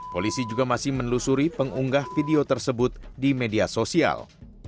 polisi juga masih menelusuri pengunggah video tersebut di media sosial